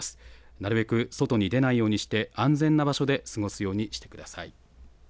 なるべく外に出ないようにして安全な場所で過ごすようにしてください。